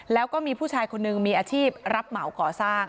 แล้วก็มีผู้ชายคนนึงมีอาชีพรับเหมาก่อสร้าง